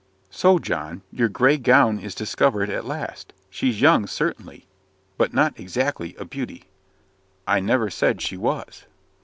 "So, John, your grey gown is discovered at last. She's young, certainly but not exactly a beauty." "I never said she was."